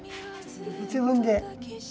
自分で。